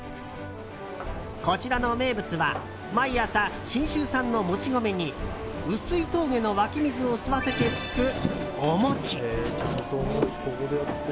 こちらの名物は毎朝、信州産のもち米に碓氷峠の湧き水を吸わせてつくお餅！